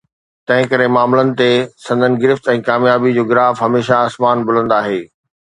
تنهن ڪري، معاملن تي سندن گرفت ۽ ڪاميابي جو گراف هميشه آسمان بلند آهي